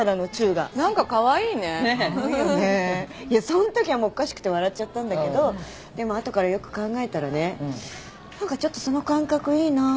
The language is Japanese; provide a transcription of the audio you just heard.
そんときはおかしくて笑っちゃったんだけどでも後からよく考えたらね何かちょっとその感覚いいな。